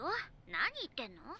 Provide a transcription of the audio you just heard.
何言ってんの？